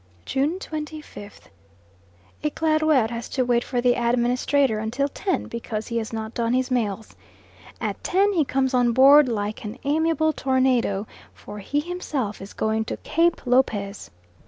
June 25th. Eclaireur has to wait for the Administrator until ten, because he has not done his mails. At ten he comes on board like an amiable tornado, for he himself is going to Cape Lopez.